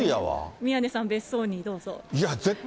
宮根さん、別荘にどうぞ。